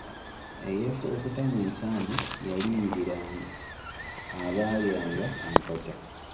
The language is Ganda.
Eyeefulukuta mu nsambu yaliyirira abaalyanga enkota.